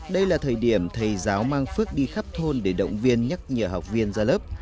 đây là thời điểm thầy giáo mang phước đi khắp thôn để động viên nhắc nhở học viên ra lớp